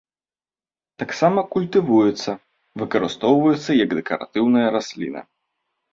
Таксама культывуецца, выкарыстоўваецца як дэкаратыўная расліна.